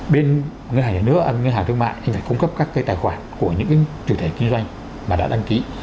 bên ngân hàng thương mại anh phải cung cấp các cái tài khoản của những cái chủ thể kinh doanh mà đã đăng ký